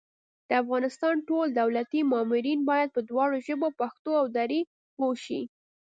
د افغانستان ټول دولتي مامورین بايد په دواړو ژبو پښتو او دري پوه شي